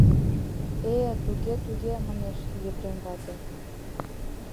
— Э, э, туге-туге, — манеш Епрем вате.